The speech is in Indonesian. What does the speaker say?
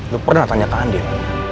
lo pernah tanya ke andin